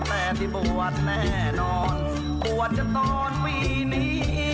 แต่ที่บวชแน่นอนบวชกันตอนปีนี้